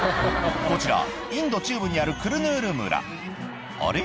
こちらインド中部にあるクルヌール村あれ？